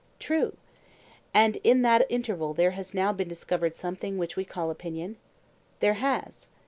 True. And in that interval there has now been discovered something which we call opinion? There has.